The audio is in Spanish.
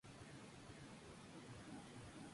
Superada la adolescencia abandonó su afición.